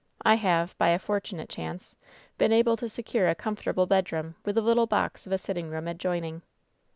"I have, by a fortunate chance, been able to secure a comfortable bed room, with a little box of a sittinp^ room adjoining."